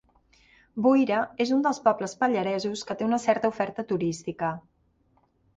Buira és un dels pobles pallaresos que té una certa oferta turística.